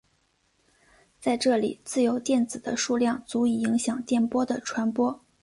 在这里自由电子的数量足以影响电波的传播。